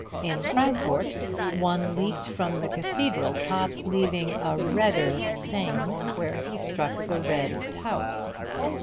In Frankfort one leaped from the Cathedral top, leaving a redder stain where he struck the red tower.